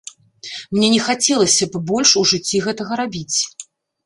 Мне не хацелася б больш у жыцці гэтага рабіць.